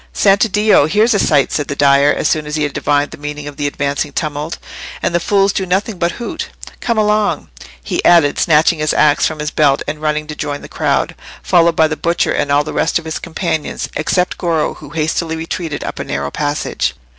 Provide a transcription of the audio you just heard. "Santiddio! here's a sight!" said the dyer, as soon as he had divined the meaning of the advancing tumult, "and the fools do nothing but hoot. Come along!" he added, snatching his axe from his belt, and running to join the crowd, followed by the butcher and all the rest of his companions, except Goro, who hastily retreated up a narrow passage.